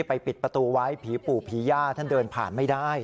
ไปปิดประตูไว้ผีผู่ผีหญ้าเขาเดินผ่านไม่ได้